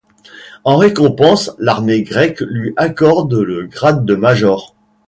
En récompense, l'armée grecque lui accorde le grade de major.